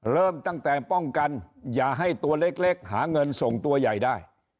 เริ่มตั้งแต่ป้องกันอย่าให้ตัวเล็กหาเงินส่งตัวใหญ่ได้